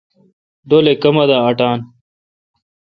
ڈولے کما دا اٹان۔